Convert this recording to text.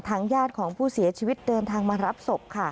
ญาติของผู้เสียชีวิตเดินทางมารับศพค่ะ